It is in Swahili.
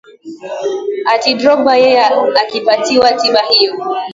ati drogba yeye akipatiwa tiba hiyo